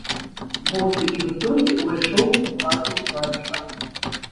Босы і высокі ўвайшоў у хату бацька.